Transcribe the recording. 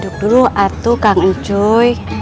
duduk dulu atuh kangen cuy